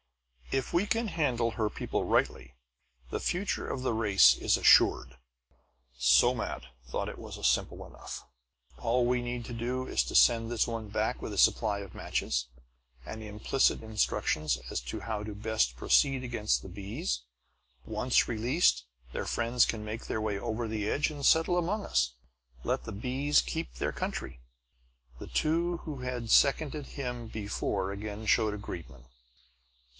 If we can handle her people rightly the future of the race is assured." Somat thought it was simple enough. "All we need to do is send this woman back with a supply of matches, and implicit instructions as to how best to proceed against the bees. Once released, their friends can make their way over the edge and settle among us. Let the bees keep their country." The two who had seconded him before again showed agreement.